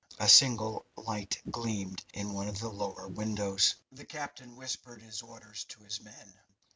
A single light gleamed in one of the lower windows. The captain whispered his orders to his men.